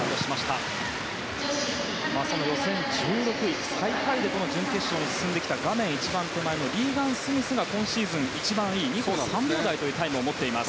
予選１６位最下位でこの準決勝に進んできた画面一番手前リーガン・スミスが今シーズン、一番いい２分３秒台というタイムを持っています。